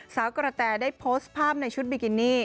สาวกระแตได้โพสต์ภาพในชุดบิกินี่